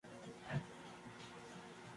Retratos grabados por Charles-Louis Bazin